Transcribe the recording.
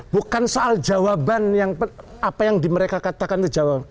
bukan soal jawaban yang apa yang mereka katakan itu jawaban